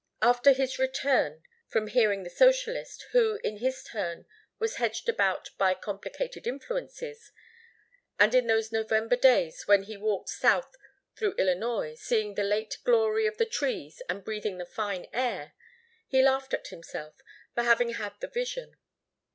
After his return from hearing the socialist, who in his turn was hedged about by complicated influences, and in those November days when he walked south through Illinois, seeing the late glory of the trees and breathing the fine air, he laughed at himself for having had the vision.